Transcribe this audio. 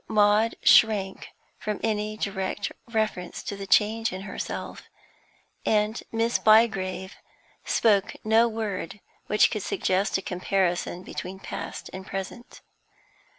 Maud shrank from any direct reference to the change in herself, and Miss Bygrave spoke no word which could suggest a comparison between past and present.